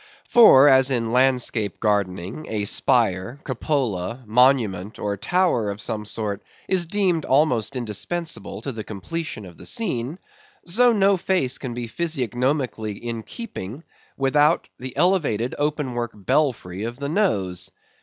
For as in landscape gardening, a spire, cupola, monument, or tower of some sort, is deemed almost indispensable to the completion of the scene; so no face can be physiognomically in keeping without the elevated open work belfry of the nose.